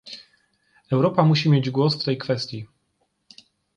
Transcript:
Europa musi mieć głos w tej kwestii